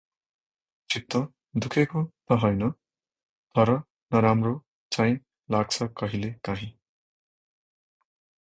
चित्त दुखेको त होइन तर नराम्रो चै लाग्छ कहिले काहि ।